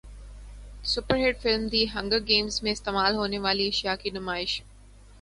super hit film The Hunger Games میں استعمال ہونیوالی اشیاء کی نمائش